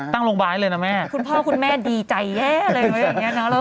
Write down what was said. ตั้งโรงบาลเลยนะแม่คุณพ่อคุณแม่ดีใจแยะอะไรอย่างนี้